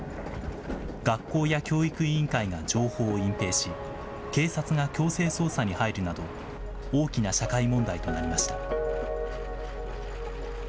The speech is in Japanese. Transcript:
学校や教育委員会が情報を隠蔽し、警察が強制捜査に入るなど、大きな社会問題となりました。